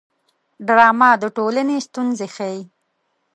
ډرامه د ټولنې ستونزې ښيي